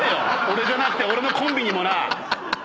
俺じゃなくて俺のコンビにもな！